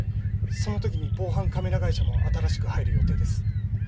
その時に防犯カメラ会社も新しく入る予定です。